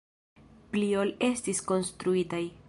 Pli ol estis konstruitaj.